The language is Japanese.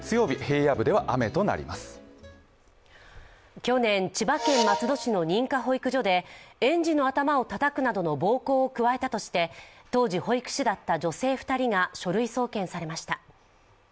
去年、千葉県松戸市の認可保育所で園児の頭をたたくなどの暴行を加えたとして当時保育士だった女性２人が書類送検されました。